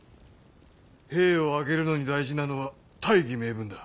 兵を挙げるのに大事なのは大義名分だ。